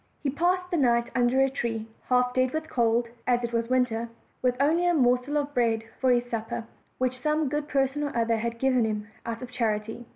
He passed the night under a tree, half dead with cold (as it was winter), with only a morsel of bread for his supper, which some good person or other had given him out of charity.